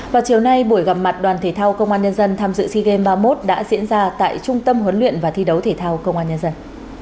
vào chiều nay buổi gặp mặt đoàn thể thao công an nhân dân tham dự sea games ba mươi một đã diễn ra tại trung tâm huấn luyện và thi đấu thể thao công an nhân dân